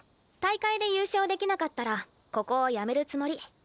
大会で優勝できなかったらここをやめるつもり。